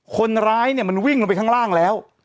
คนร้ายเนี่ยมันวิ่งลงไปข้างล่างแล้ว